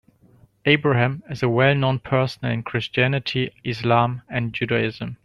Abraham is a well known person in Christianity, Islam and Judaism.